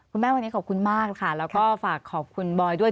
คุณแม่วันนี้ขอบคุณมากค่ะแล้วก็ฝากขอบคุณบอยด้วย